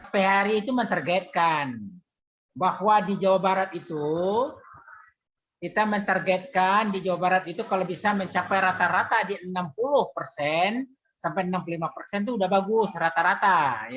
phri itu mentargetkan bahwa di jawa barat itu kita mentargetkan di jawa barat itu kalau bisa mencapai rata rata di enam puluh persen sampai enam puluh lima persen itu sudah bagus rata rata